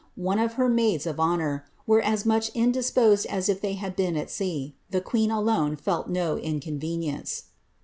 265 of her maids of honour, were as much indisposed as if they had been at sea. Tlie queen alone felt no inconvenience.'